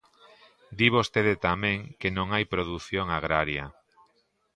Di vostede tamén que non hai produción agraria.